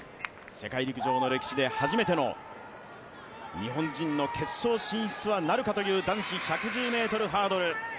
世界陸上の歴史で初めての日本人の決勝進出はなるかという男子１１０ｍハードル。